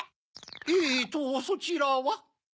えっとそちらは？